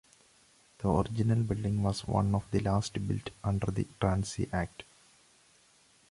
The original building was one of the last built under the Tarsney Act.